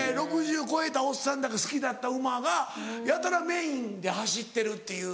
６０超えたおっさんらが好きだった馬がやたらメインで走ってるっていう。